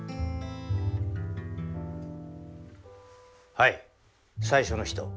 はい最初の人。